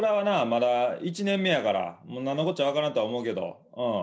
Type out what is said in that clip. まだ１年目やから何のこっちゃ分からんとは思うけど。